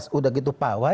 sudah gitu pawai